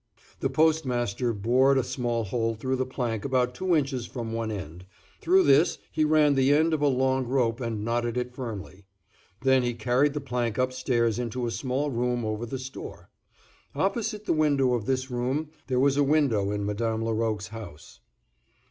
The postmaster bored a small hole through the plank about two inches from one end, through this he ran the end of a long rope and knotted it firmly. Then he carried the plank upstairs into a small room over the store. Opposite the window of this room there was a window in Madame Laroque's house.